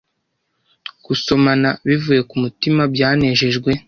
gusomana bivuye ku mutima byanejejwe